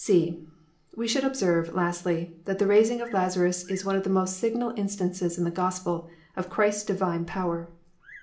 (c) We should observe, lastly, that the raising of Lazarus is one of the most signal instances in the Gospels of Christ's Divine power.